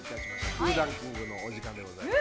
空欄キングのお時間でございます。